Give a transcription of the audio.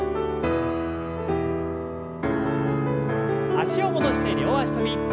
脚を戻して両脚跳び。